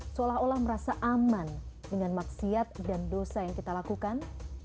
seolah olah merasa aman dengan maksiat dan dosa yang kita lakukan